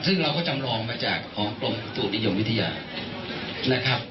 ซึ่งเราก็จำลองมาจากของกรมอุตุนิยมวิทยานะครับ